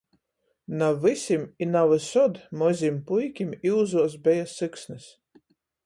Na vysim i na vysod mozim puikim iuzuos beja syksnys.